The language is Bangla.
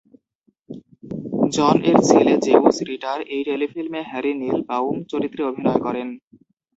জন এর ছেলে জেসন রিটার এই টেলিফিল্মে হ্যারি নিল বাউম চরিত্রে অভিনয় করেন।